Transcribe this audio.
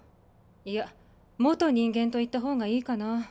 いや元人間と言った方がいいかな。